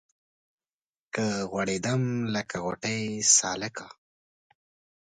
که غوړېدم لکه غوټۍ سالکه